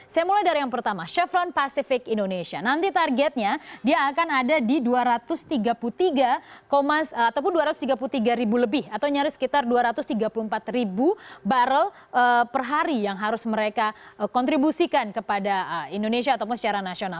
saya mulai dari yang pertama chevron pacific indonesia nanti targetnya dia akan ada di dua ratus tiga puluh tiga ataupun dua ratus tiga puluh tiga ribu lebih atau nyaris sekitar dua ratus tiga puluh empat ribu barrel per hari yang harus mereka kontribusikan kepada indonesia ataupun secara nasional